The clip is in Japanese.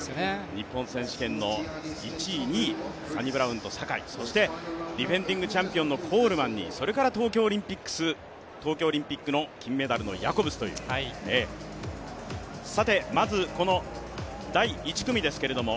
日本選手権、１位、２位サニブラウンと坂井、そして、コールマンに、それから東京オリンピックの金メダルのヤコブスというまずこの第１組ですけれども。